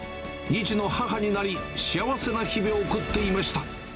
２児の母になり、幸せな日々を送っていました。